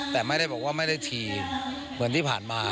แต่ไม่ได้บอกว่าไม่ได้ทีเหมือนที่ผ่านมา